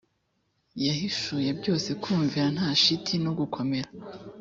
yahishuye byose kumvira nta shiti no gukomera